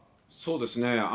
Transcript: そうですね。